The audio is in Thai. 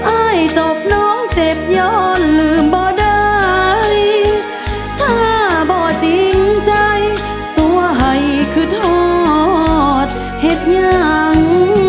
อายจบน้องเจ็บย้อนลืมบ่ได้ถ้าบ่จริงใจตัวให้คือทอดเห็ดยัง